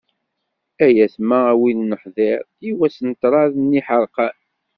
Ay ayetma a wi ur neḥdir, i wass n ṭṭrad n yiḥerqan.